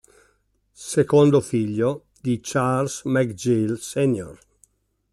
Secondo figlio di Charles McGill Sr.